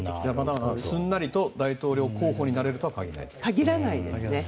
すんなりと大統領候補になれるとは限らないと。